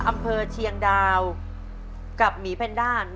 อำเภอเชียงดาวกับหมีแพนด้าน